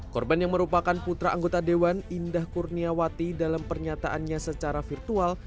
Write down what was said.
korban yang merupakan putra anggota dewan indah kurniawati dalam pernyataannya secara virtual